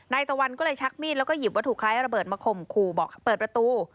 ตะวันก็เลยชักมีดแล้วก็หยิบวัตถุคล้ายระเบิดมาข่มขู่บอกเปิดประตู